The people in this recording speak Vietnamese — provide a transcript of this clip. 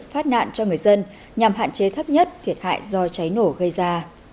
thoát nạn cho người dân nhằm hạn chế thấp nhất thiệt hại do cháy nổ gây ra